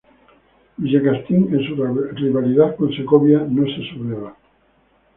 Villacastín en su rivalidad con Segovia, no se subleva.